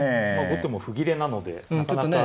後手も歩切れなのでなかなか。